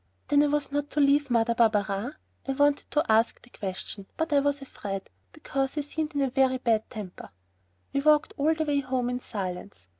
Then I was not to leave Mother Barberin? I wanted to ask questions, but I was afraid, because he seemed in a very bad temper. We walked all the way home in silence.